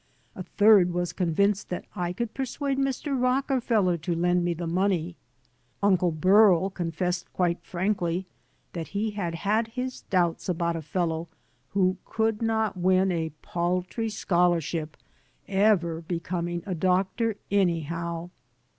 A third was convinced that I could persuade Mr. Rockefeller to lend me the money. Unde Berl confessed quite frankly that he had his doubts about a fellow who could not win a paltry scholarship ever becoming a doctor, anyhow.